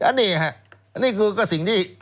อันนี้ฮะอันนี้คือก็สิ่งที่